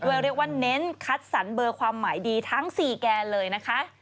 เรียกว่าเน้นคัดสรรเบอร์ความหมายดีทั้ง๔แกนเลยนะคะ